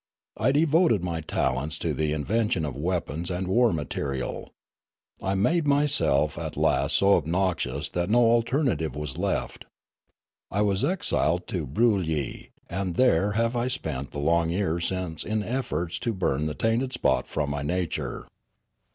I devoted my talents to the invention of weapons and war material. I made myself at last so obnoxious that no alternative was left. I was exiled to Broolyi, and there have I spent the long years since in efforts to burn the tainted spot from my nature."